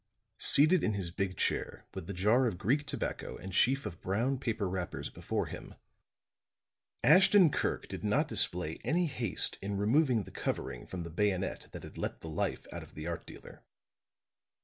Seated in his big chair with the jar of Greek tobacco and sheaf of brown paper wrappers before him, Ashton Kirk did not display any haste in removing the covering from the bayonet that had let the life out of the art dealer.